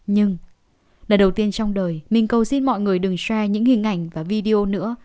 nhưng là đầu tiên trong đời mình cầu xin mọi người đừng share những hình ảnh và video nữa